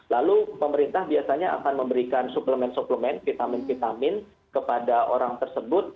lalu pemerintah biasanya akan memberikan suplemen suplemen vitamin vitamin kepada orang tersebut